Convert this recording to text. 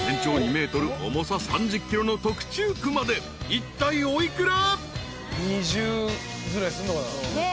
［いったいお幾ら？］